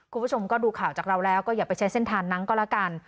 คุณผู้ชมก็ดูข่าวจากเราแล้วก็อย่าไปใช้เส้นทางนั้นก็แล้วกัน